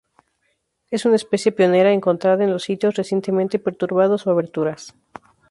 Es una especie pionera encontrada en los sitios recientemente perturbados o aberturas.